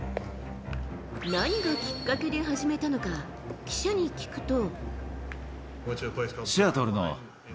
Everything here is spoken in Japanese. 何がきっかけで始めたのか、記者に聞くと。